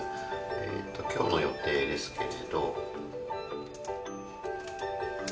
えーっと今日の予定ですけれど。